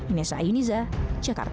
ines ayuniza jakarta